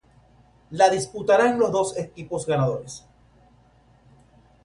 La disputarán los dos equipos ganadores.